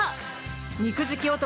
肉好き男